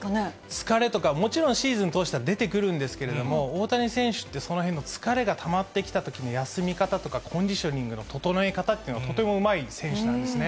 疲れとか、もちろんシーズン通しては出てくるんですけども、大谷選手って、そのへんの疲れがたまってきたときの休み方とか、コンディショニングの整え方というのが、とてもうまい選手なんですね。